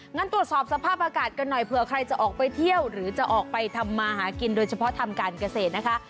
งั้นตรวจสอบสภาพอากาศกันหน่อยเผื่อใครจะออกไปเที่ยวหรือจะออกไปทำมาหากินโดยเฉพาะทำการเกษตรนะคะ